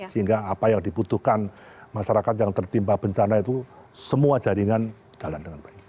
sehingga apa yang dibutuhkan masyarakat yang tertimpa bencana itu semua jaringan jalan dengan baik